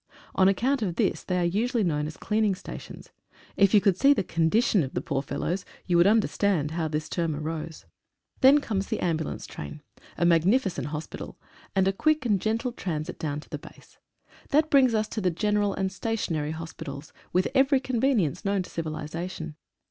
On account of this they are usually known as cleaning stations. If you could see the con dition of the poor fellows you would understand how this term arose. 47 THE AMBULANCE TRAIN. Then comes the Ambulance Train — a magnificent riospital — and a quick and gentle transit down to the base. That brings us to the general and stationary hos pitals, with every convenience known to civilisation.